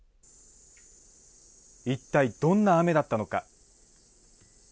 一体、どんな雨だったのか。